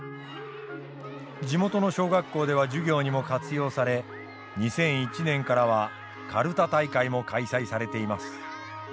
地元の小学校では授業にも活用され２００１年からはかるた大会も開催されています。